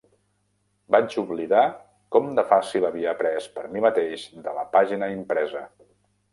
Vaig oblidar com de fàcil havia après per mi mateix de la pàgina impresa.